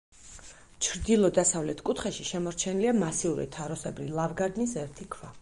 ჩრდილო-დასავლეთ კუთხეში შემორჩენილია მასიური თაროსებრი ლავგარდნის ერთი ქვა.